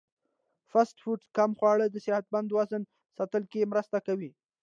فاسټ فوډ کم خوړل د صحتمند وزن ساتلو کې مرسته کوي.